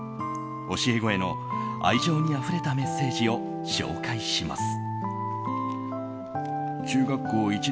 教え子への愛情にあふれたメッセージを紹介します。